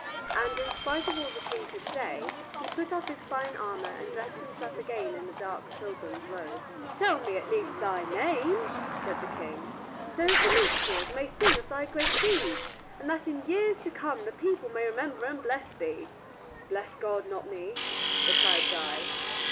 And, in spite of all the King could say, he put off his fine armor and dressed himself again in his dark pilgrim's robe. "Tell me at least thy name," said the King, "so that the minstrels may sing of thy great deeds, and that in years to come the people may remember and bless thee." "Bless God, not me," replied Guy.